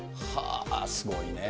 すごいねー。